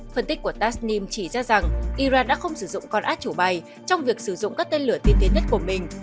phân tích của tasnim chỉ ra rằng iran đã không sử dụng con át chủ bay trong việc sử dụng các tên lửa tiên tiến nhất của mình